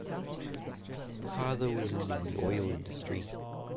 Her father was in the oil industry.